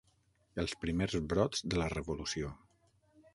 Els primers brots de la revolució.